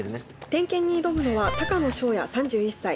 点検に挑むのは高野翔也３１歳。